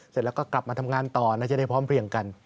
เสร็จแล้วก็กลับมาทำงานต่อน่าจะได้พร้อมเพลียงกัน